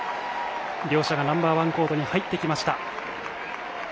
両者がナンバー１コートに入ってきました。